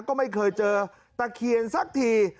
ก็ไม่เคยเจอตะเคียนสักที